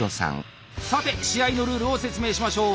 さて試合のルールを説明しましょう。